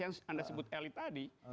yang anda sebut tadi